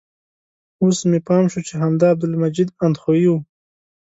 اوس مې پام شو چې همدا عبدالمجید اندخویي و.